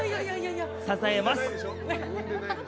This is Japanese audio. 支えます。